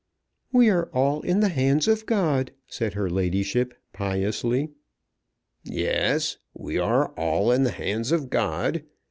"We are all in the hands of God," said her ladyship, piously. "Yes; we are all in the hands of God.